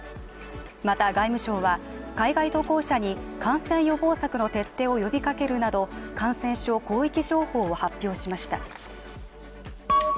また外務省は、海外渡航者に感染予防策の徹底を呼びかけるなど感染症広域情報を発表しました。